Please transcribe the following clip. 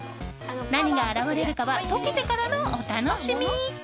何が現れるかは溶けてからのお楽しみ。